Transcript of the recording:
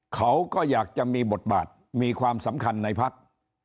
เขาก็อยากจะมีบทบาทมีความสำคัญในพัก